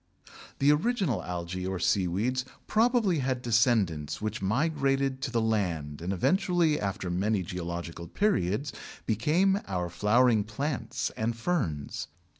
The original algæ or seaweeds probably had descendants which migrated to the land and eventually after many geological periods became our flowering plants and ferns.